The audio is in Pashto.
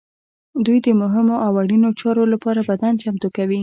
دوی د مهمو او اړینو چارو لپاره بدن چمتو کوي.